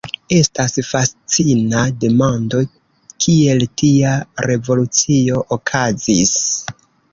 Estas fascina demando, kiel tia revolucio okazis.